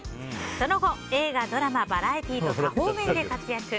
その後、映画、ドラマバラエティーと多方面で活躍。